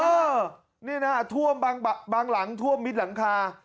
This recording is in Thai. เออนี่นะท่วมบางหลังท่วมมิดหลังคา